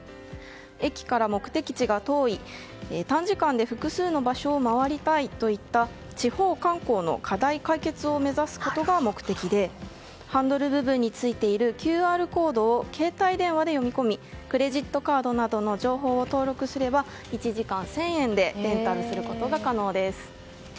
駅から目的地が遠い短時間で複数の場所を回りたいといった地方観光の課題解決を目指すことが目的でハンドル部分についているＱＲコードを携帯電話で読み込みクレジットカードなどの情報を登録すれば１時間１０００円でレンタルが可能です。